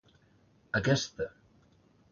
Aquesta